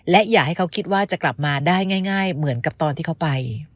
และอย่าให้เขาคิดว่าจะกลับมาได้ง่ายเหมือนกับตอนที่เขาไป